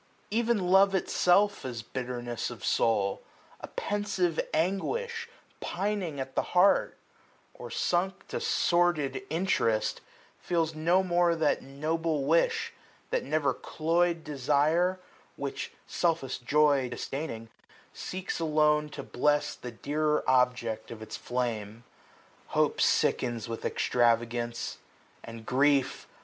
Ev*N love itself is bitterness of soul, A pensive anguish pining at the heart ; Or, sunk to sordid interest, feels no more That noble wish, that never doy*d desire, 290 Which, selfish joy disdaining, seeks alone To bless the dearer object of its flame. Hope sickens with extravagance ; and grief.